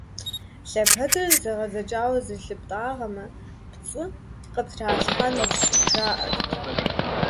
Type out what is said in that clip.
Лъэпэдыр зэгъэдзэкӀауэ зылъыптӀагъэмэ, пцӀы къыптралъхьэнущ, жаӀэрт.